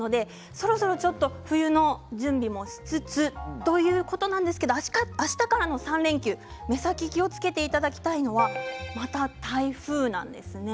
そろそろ冬の準備の季節ということなんですがあしたからの３連休気をつけていただきたいのはまた台風なんです。